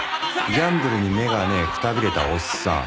ギャンブルに目がねえくたびれたおっさん。